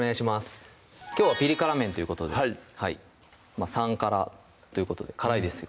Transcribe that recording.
きょうは「ピリ辛麺」ということで３辛ということで辛いですよ